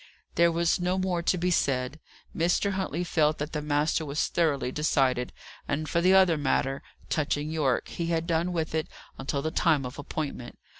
There was no more to be said. Mr. Huntley felt that the master was thoroughly decided; and for the other matter, touching Yorke, he had done with it until the time of appointment.